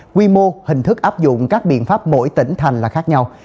quy mô hình thức áp dụng các biện pháp mỗi tỉnh thành là khác nhau